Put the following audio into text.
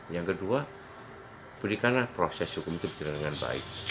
yang kedua berikanlah proses hukum itu berjalan dengan baik